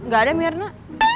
gak ada mirna